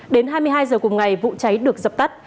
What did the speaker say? đến hai mươi hai h cùng ngày vụ cháy được dập tắt